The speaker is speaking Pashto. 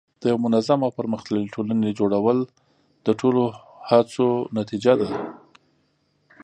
د یوه منظم او پرمختللي ټولنې جوړول د ټولو هڅو نتیجه ده.